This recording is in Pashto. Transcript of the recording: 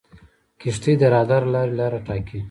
کښتۍ د رادار له لارې لاره ټاکي.